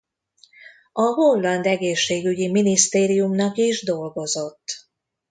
A holland egészségügyi minisztériumnak is dolgozott.